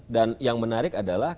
dan yang menarik adalah